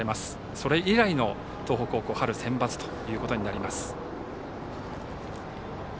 それ以来の東北高校、春センバツとなります。